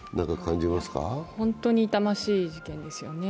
本当に痛ましい事件ですよね。